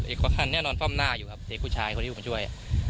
อีกคนแน่นอนฟ่ามหน้าอยู่ครับเด็กผู้ชายคนที่ผมช่วยอะ